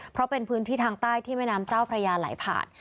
เพราะเป็นพื้นที่ทางใต้ที่แม่น้ำเจ้าพระยาไหลผ่าน